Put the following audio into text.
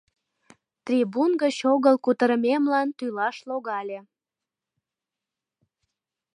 Трибун гыч огыл кутырымемлан тӱлаш логале.